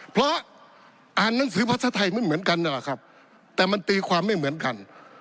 เพราะอ่านหนังสือภาษาไทยไม่เหมือนกันนั่นแหละครับแต่มันตีความไม่เหมือนกัน